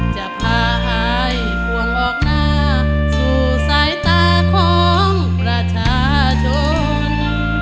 จะพาหายห่วงออกหน้าสู่สายตาของประชาชน